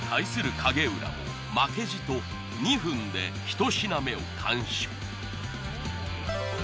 影浦負けじと２分で１品目を完食。